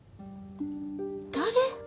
誰？